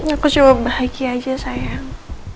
aku coba bahagia aja sayang